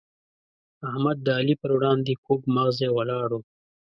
احمد د علي پر وړاندې کوږ مغزی ولاړ وو.